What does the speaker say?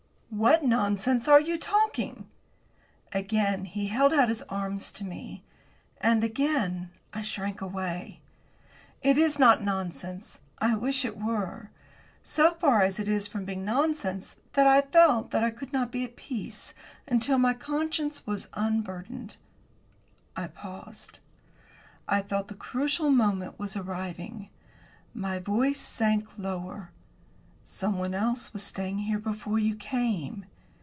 "What nonsense are you talking?" Again he held out his arms to me. And again I shrank away. "It is not nonsense. I wish it were. So far is it from being nonsense that I felt that I could not be at peace until my conscience was unburdened." I paused. I felt the crucial moment was arriving. My voice sank lower. "Someone else was staying here before you came."